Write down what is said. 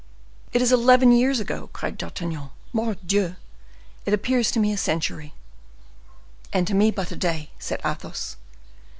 "It is eleven years ago," cried D'Artagnan. "Mordioux! it appears to me a century!" "And to me but a day," said Athos.